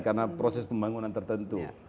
karena proses pembangunan tertentu